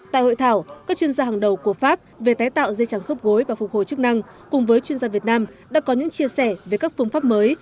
tại hội thảo các chuyên gia hàng đầu của pháp về tái tạo dây chẳng khớp gối và phục hồi chức năng cùng với chuyên gia việt nam đã có những chia sẻ về các phương pháp mới